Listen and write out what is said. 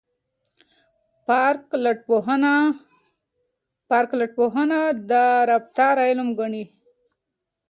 پارک ټولنپوهنه د رفتار علم ګڼي.